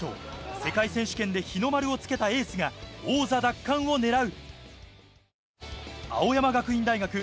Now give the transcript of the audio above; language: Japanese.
世界選手権で日の丸をつけたエースが王座奪還をねらう。